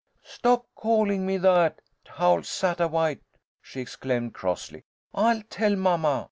"Stop calling me that, Howl Sattawhite!" she exclaimed, crossly. "I'll tell mamma.